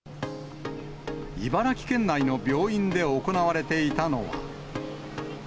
茨城県内の病院で行われていたのは。